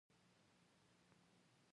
پر تاريخ به کار کيږي